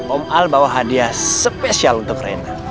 om al bawa hadiah spesial untuk rena